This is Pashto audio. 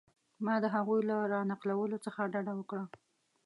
ما د هغوی له را نقلولو څخه ډډه وکړه.